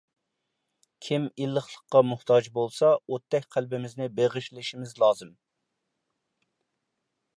كىم ئىللىقلىققا موھتاج بولسا، ئوتتەك قەلبىمىزنى بېغىشلىشىمىز لازىم.